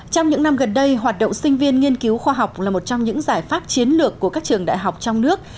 trong những năm gần đây hoạt động sinh viên nghiên cứu khoa học là một trong những giải pháp chiến lược của các trường đại học trong nước